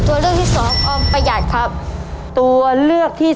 และออมประหยัดเป็นคำตอบที่